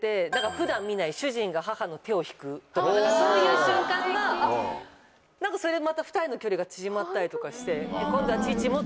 普段見ない主人が母の手を引くそういう瞬間が何かそれでまた２人の距離が縮まったりとかして。